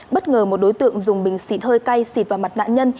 bất ngờ một đối tượng dùng bình xịt hơi cay xịt vào mặt nạn nhân